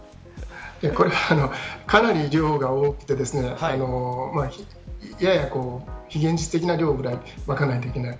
これは、かなり量が多くてやや非現実的な量ぐらいまかないといけない。